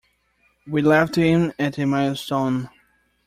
We left him at a milestone.